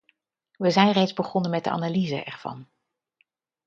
We zijn reeds begonnen met de analyse ervan.